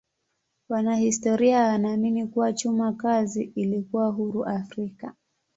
Wanahistoria wanaamini kuwa chuma kazi ilikuwa huru Afrika.